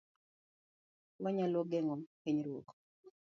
Wanyalo geng'o hinyruok